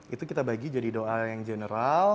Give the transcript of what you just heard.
itu kita bagi jadi doa yang general